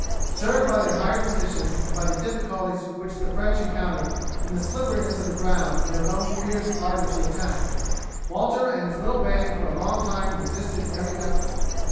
Served by their higher position, and by the difficulties which the French encountered from the slipperiness of the ground and their own fierce ardour to attack, Walter and his little band for a long time resisted every effort.